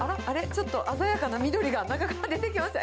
ちょっと鮮やかな緑が中から出てきました。